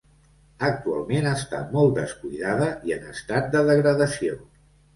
Actualment està molt descuidada i en estat de degradació.